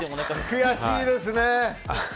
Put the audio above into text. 悔しいですね。